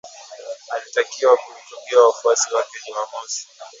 alitakiwa kuhutubia wafuasi wake Jumamosi